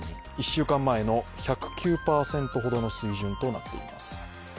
１週間前の１０９％ほどの水準となっています。